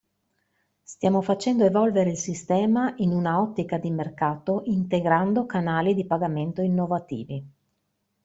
Stiamo facendo evolvere il sistema in una ottica di mercato integrando canali di pagamento innovativi.